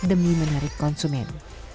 demi menarik konsumen